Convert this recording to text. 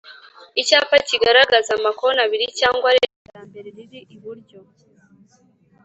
icyapa kigaragaza amakona abiri cyangwa arenga irya mbere riri iburyo